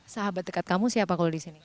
sahabat dekat kamu siapa kalau di sini